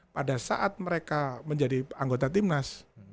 pada saat mereka menjadi anggota timnas